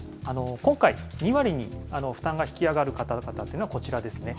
今回、２割に負担が引き上がる方々というのはこちらですね。